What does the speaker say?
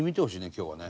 今日はね。